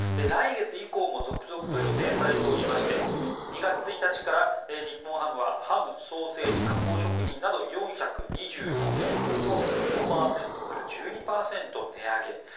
来月以降も続々と予定されておりまして２月１日から日本ハムはハム・ソーセージ、加工食品など４２４品目を５％から１２％値上げ。